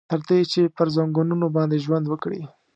تر دې چې پر ځنګنونو باندې ژوند وکړي.